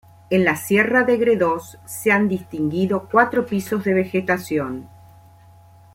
En la Sierra de Gredos se han distinguido cuatro pisos de vegetación.